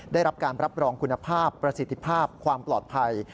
ได้รับการรับรองคุณภาพประสิทธิภาพความปลอดภัย